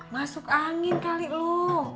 masuk angin kali lu